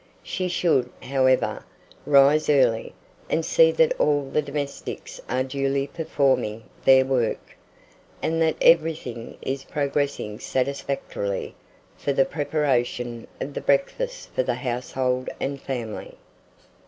She should, however, rise early, and see that all the domestics are duly performing their work, and that everything is progressing satisfactorily for the preparation of the breakfast for the household and family.